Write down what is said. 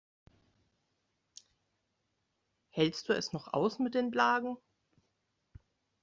Hältst du es noch aus mit den Blagen?